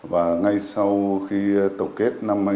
và ngay sau khi tổng kết năm hai nghìn hai mươi ba